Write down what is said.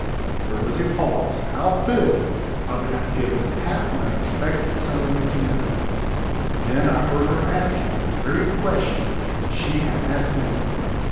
There was a pause how filled, I would have given half my expected salary to know. Then I heard her ask him the very question she had asked me.